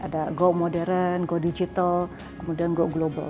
ada go modern go digital kemudian go global